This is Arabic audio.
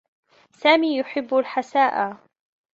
سامي يحبّ الحساء.